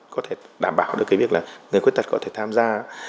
có thể đảm bảo được cái việc là người khuyết tật có thể tham gia